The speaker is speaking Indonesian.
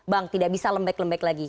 bang tidak bisa lembek lembek lagi